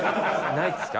「ないですか？